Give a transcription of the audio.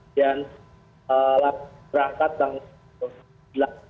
dan berangkat tanggal sepuluh juli